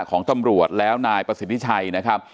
ของตำรวจแล้วนายประสิทธิชัยนะครับ